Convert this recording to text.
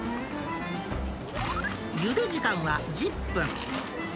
ゆで時間は１０分。